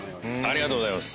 ありがとうございます。